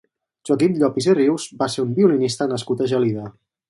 Joaquim Llopis i Rius va ser un violinista nascut a Gelida.